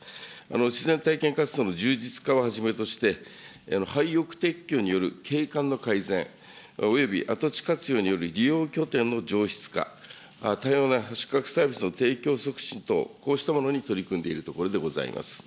自然体験活動の充実化をはじめとして、廃屋撤去による景観の改善、および跡地活用による利用拠点の上質化、多様な宿泊サービスの提供促進など、こうしたものに取り組んでいるところでございます。